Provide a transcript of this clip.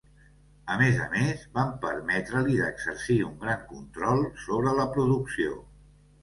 A més a més, van permetre-li d'exercir un gran control sobre la producció.